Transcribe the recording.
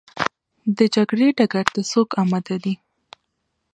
د جګړې ډګر ته څوک اماده دي؟